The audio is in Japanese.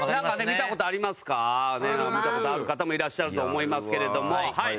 見た事ある方もいらっしゃると思いますけれどもはい。